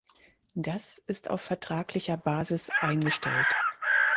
Das ist auf vertraglicher Basis eingestellt.